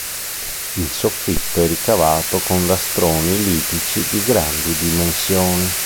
Il soffitto è ricavato con lastroni litici di grandi dimensioni.